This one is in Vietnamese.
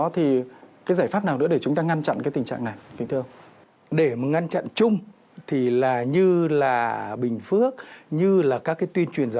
thì sau này con nó sẽ ăn hàng công nghiệp